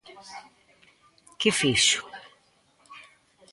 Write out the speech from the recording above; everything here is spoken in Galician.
Que fixo?